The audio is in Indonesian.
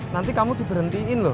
nanti kamu diberhentiin loh